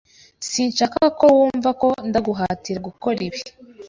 Sinshaka ko wumva ko ndaguhatira gukora ibi .